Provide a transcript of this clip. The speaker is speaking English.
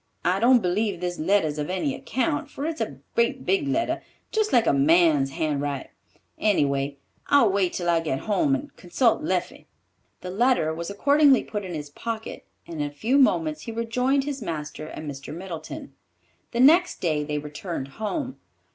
I don't believe this letter's of any account, for its a great big letter, just like a man's handwrite. Any way, I'll wait till I get home and consult Leffie." The letter was accordingly put in his pocket, and in a few moments he rejoined his master and Mr. Middleton. The next day they returned home.